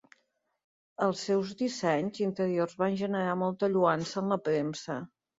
Els seus dissenys interiors van generar molta lloança en la premsa.